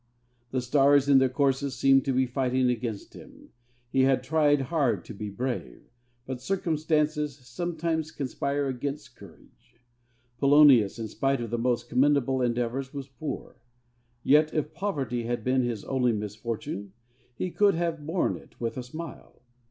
The stars in their courses seemed to be fighting against him. He had tried hard to be brave, but circumstances sometimes conspire against courage. Polonius, in spite of the most commendable endeavours, was poor; yet if poverty had been his only misfortune he could have borne it with a smile.